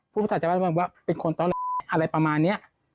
พุทธจังหวัดว่าเป็นคนอะไรประมาณนี้